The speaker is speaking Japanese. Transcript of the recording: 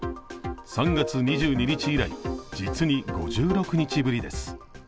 ３月２２日以来、実に５６日ぶりです。